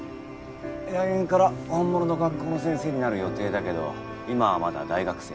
来年から本物の学校の先生になる予定だけど今はまだ大学生。